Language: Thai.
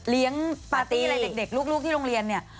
ปาร์ตี้อะไรเด็กลูกที่โรงเรียนเนี่ย